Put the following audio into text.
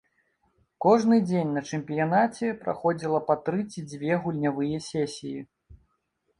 Кожны дзень на чэмпіянаце праходзіла па тры ці дзве гульнявыя сесіі.